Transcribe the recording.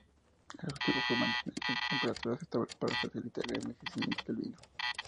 El objetivo fue mantener las temperaturas estables para facilitar el envejecimiento del vino.